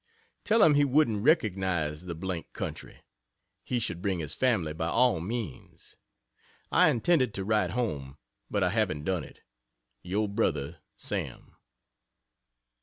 Tell him he wouldn't recognize the d d country. He should bring his family by all means. I intended to write home, but I haven't done it. Yr. Bro. SAM.